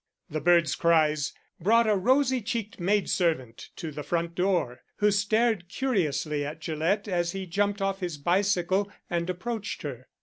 The bird's cries brought a rosy cheeked maidservant to the front door, who stared curiously at Gillett as he jumped off his bicycle and approached her.